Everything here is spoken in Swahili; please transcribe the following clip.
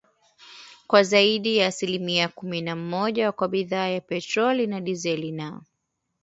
kwa zaidi ya asilimia kumi na Mmoja kwa bidhaa ya petroli na dizeli na